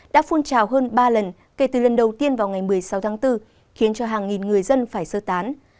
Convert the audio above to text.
đã phun trào hơn ba lần kể từ lần đầu tiên vào ngày một mươi sáu tháng bốn khiến cho hàng nghìn người dân phải sơ tán